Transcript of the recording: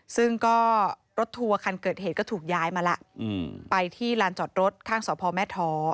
ซึ่งก็รถทัวร์คันเกิดเหตุก็ถูกย้ายมาแล้วไปที่ลานจอดรถข้างสพแม่ท้อ